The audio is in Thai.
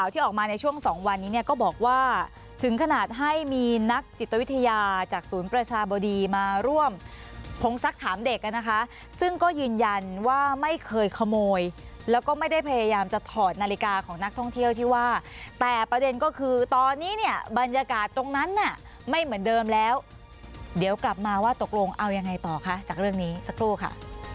ตัววิทยาจากศูนย์ประชาบดีมาร่วมพงศักดิ์ถามเด็กนะคะซึ่งก็ยืนยันว่าไม่เคยขโมยแล้วก็ไม่ได้พยายามจะถอดนาฬิกาของนักท่องเที่ยวที่ว่าแต่ประเด็นก็คือตอนนี้เนี่ยบรรยากาศตรงนั้นไม่เหมือนเดิมแล้วเดี๋ยวกลับมาว่าตกลงเอายังไงต่อคะจากเรื่องนี้สักรูปค่ะ